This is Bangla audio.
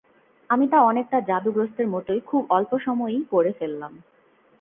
আমি তা অনেকটা যাদুগ্রস্তের মতোই খুব অল্প সময়েই পড়ে ফেললাম।